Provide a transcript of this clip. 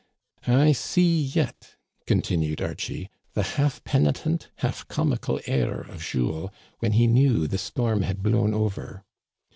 ' I see yet," continued Archie, " the half penitent, half comical air of Jules when he knew the storm had blown over.